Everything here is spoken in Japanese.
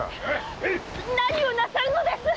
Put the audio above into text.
何をなさるのです⁉